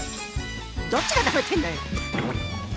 どっちがなめてんのよ。